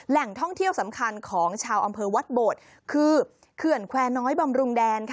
แหล่งท่องเที่ยวสำคัญของชาวอำเภอวัดโบดคือเขื่อนแควร์น้อยบำรุงแดน